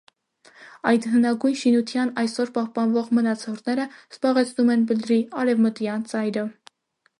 Այդ հնագույն շինության այսօր պահպանվող մնացորդները զբաղեցնում են բլրի արևմտյան ծայրը։